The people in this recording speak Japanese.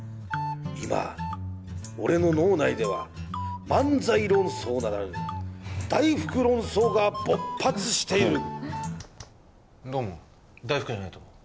今俺の脳内では漫才論争ならぬ大福論争が勃発しているどう思う？